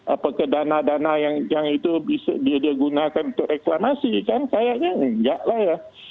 apakah dana dana yang itu bisa dia gunakan untuk reklamasi kan kayaknya enggak lah ya